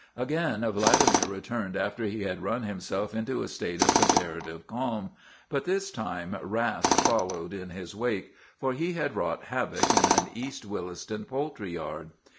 Again Vladimir returned after he had run himself into a state of comparative calm, but this time wrath followed in his wake, for he had wrought havoc in an East Williston poultry yard.